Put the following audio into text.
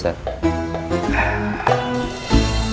atau dia nangis padamu